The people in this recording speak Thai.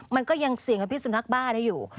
มันก็ยังเสี่ยงกับพิสุนักบ้าได้อยู่